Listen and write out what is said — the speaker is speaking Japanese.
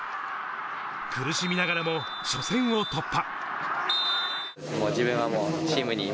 苦しみながらも初戦を突破。